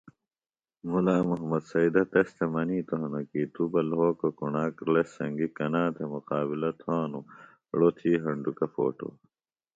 مُلا محمد سیدہ تس تھےۡ منِیتوۡ ہِنوۡ کی توۡ بہ لھوکو کݨاک ڑس سنگی کنا تھےۡ مقابلہ تھانوۡ ڑو تھی ہنڈوکہ پھوٹو